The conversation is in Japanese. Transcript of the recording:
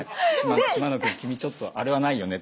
「島野君君ちょっとあれはないよね」